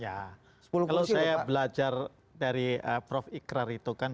ya kalau saya belajar dari prof ikrar itu kan